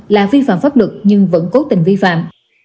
là vi phạm pháp luật nhưng vẫn cố tình vi phạm